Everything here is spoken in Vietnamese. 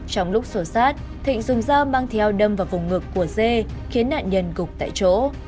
trong lúc sổ sát thịnh dùng dao mang theo đâm vào vùng ngực của dê khiến nạn nhân gục tại chỗ